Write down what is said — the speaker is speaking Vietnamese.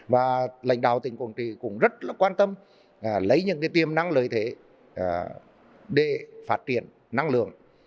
và lãnh đạo tỉnh quảng trị cũng rất quan tâm lấy những tiềm năng lợi thế để phát triển năng lượng